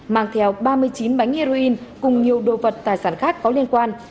mang theo ba mươi chín bánh heroin cùng nhiều đồ vật tài sản khác có liên quan